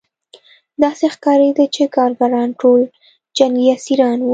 داسې ښکارېده چې کارګران ټول جنګي اسیران وو